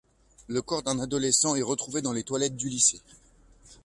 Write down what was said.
Le corps d'un adolescent est retrouvé dans les toilettes du lycée.